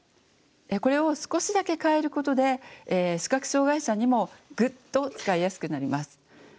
これを少しだけ変えることで視覚障害者にもグッと使いやすくなります。